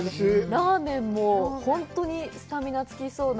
ラーメンも本当にスタミナつきそうな。